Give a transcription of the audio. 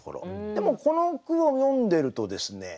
でもこの句を読んでるとですね